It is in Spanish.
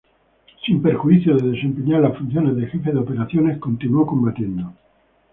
Sin perjuicio de desempeñar las funciones de jefe de Operaciones, continuó combatiendo.